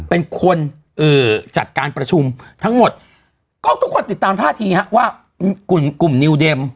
เป็นคนจัดการประชุมทั้งหมดก็ทุกคนติดตามท่าทีฮะว่ากลุ่มกลุ่มนิวเด็ม